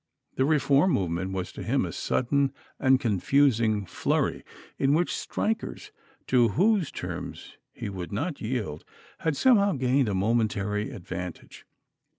The reform movement was to him a sudden and confusing flurry, in which strikers, to whose terms he would not yield, had somehow gained a momentary advantage.